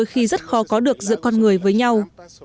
khi rất khó có được giữa con người với nhau